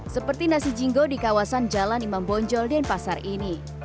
seperti nasi jingo di kawasan jalan imam bonjol denpasar ini